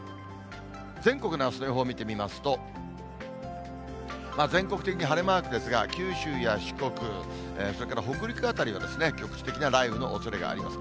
全国のあすの予報見てみますと、全国的に晴れマークですが、九州や四国、それから北陸辺りで、局地的な雷雨のおそれがあります。